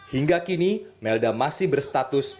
hingga kini melda masih berstatus